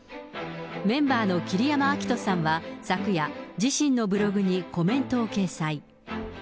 メンバーの桐山照史さんは、昨夜、自身のブログにコメントを掲載。